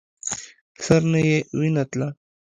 سر نه يې وينه تله.